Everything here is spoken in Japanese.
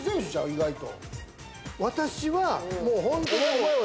意外と。